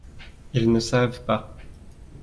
Ils ne savent pas.